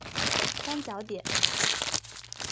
三角点。